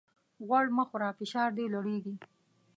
غوړ مه خوره ! فشار دي لوړېږي.